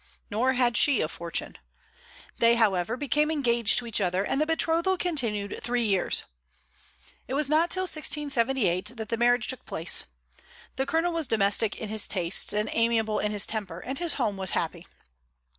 Nor had she a fortune. They however became engaged to each other, and the betrothal continued three years. It was not till 1678 that the marriage took place. The colonel was domestic in his tastes and amiable in his temper, and his home was happy.